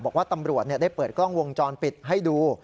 บอกว่าตำรวจได้เปิดกล้องวงจรปิดให้ดู